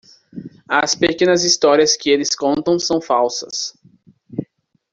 As pequenas histórias que eles contam são falsas.